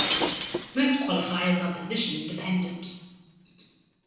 Most qualifiers are position independent.